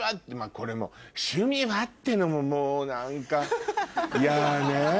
これも趣味は？ってのももう何か嫌ね。